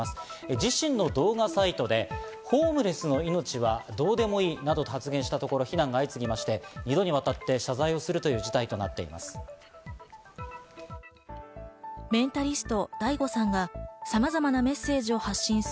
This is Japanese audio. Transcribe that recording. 自身の動画サイトでホームレスの命はどうでもいいなどと発言したところ、非難が相次ぎ、２度にわたって謝罪するという事態となっています。